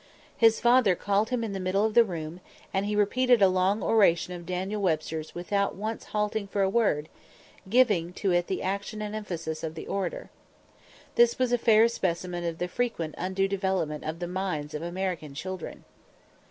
His father called him into the middle of the room, and he repeated a long oration of Daniel Webster's without once halting for a word, giving to it the action and emphasis of the orator. This was a fair specimen of the frequent undue development of the minds of American children.